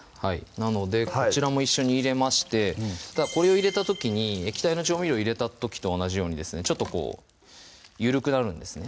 なのでこちらも一緒に入れましてこれを入れた時に液体の調味料入れた時と同じようにですねちょっと緩くなるんですね